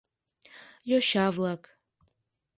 Йоча-влак.